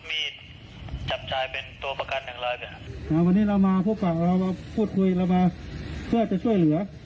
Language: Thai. วันนี้เรามาพูดพูดคุยเพื่อจะช่วยเหลือ